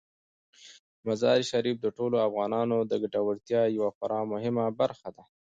مزارشریف د ټولو افغانانو د ګټورتیا یوه خورا مهمه برخه ده.